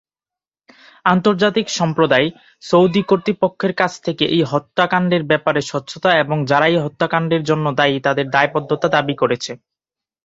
আন্তর্জাতিক সম্প্রদায় সৌদি কর্তৃপক্ষের কাছ থেকে এই হত্যাকাণ্ডের ব্যাপারে স্বচ্ছতা এবং যারা এই হত্যাকাণ্ডের জন্য দায়ী তাদের দায়বদ্ধতা দাবী করেছে।